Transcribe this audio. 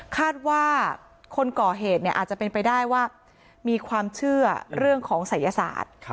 คาดว่าคนก่อเหตุอาจจะเป็นไปได้ว่ามีความเชื่อเรื่องของศัยศาสตร์